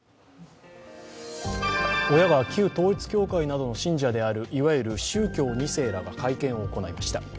親が旧統一教会などの信者であるいわゆる宗教２世らが会見を行いました。